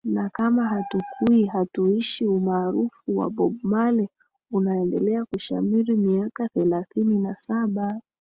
na kama hatukui hatuishi Umaarufu wa Bob Marley unaendelea kushamiri miaka thelathini na saba